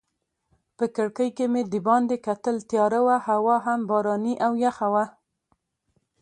په کړکۍ کې مې دباندې کتل، تیاره وه هوا هم باراني او یخه وه.